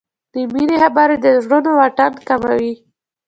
د مینې خبرې د زړونو واټن کموي.